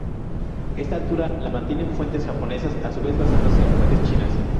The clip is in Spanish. Esta altura la mantienen fuentes japonesas, a su vez basándose en fuentes chinas.